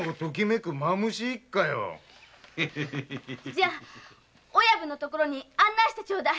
じゃ親分のところに案内してちょうだい。